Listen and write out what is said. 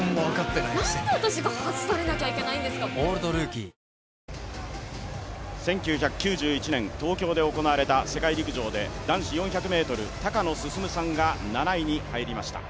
タイム出ました、シンビネ、１着、９秒９７、１９９１年、東京で行われた世界陸上で男子４００ｍ、高野進さんが７位に入りました。